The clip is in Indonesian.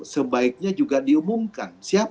sebaiknya juga diumumkan